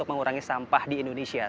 untuk mengurangi sampah di indonesia